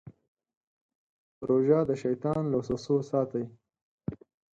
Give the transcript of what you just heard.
روژه د شیطان له وسوسو ساتي.